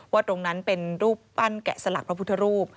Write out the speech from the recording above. ตรงนั้นเป็นรูปปั้นแกะสลักพระพุทธรูป